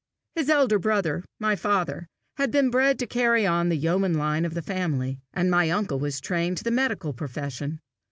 His elder brother, my father, had been bred to carry on the yeoman line of the family, and my uncle was trained to the medical profession.